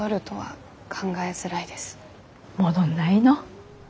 戻んないの？